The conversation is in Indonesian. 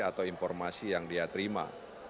atau informasi yang dia terima